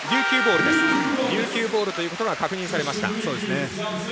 琉球ボールということが確認されました。